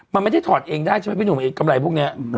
มันไม่ได้ถอดเองได้ใช่ไหมพี่หนุ่มไอ้กำไรพวกนี้